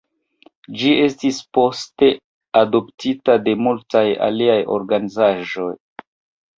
Ĝi estis poste adoptita de multaj aliaj organizaĵoj.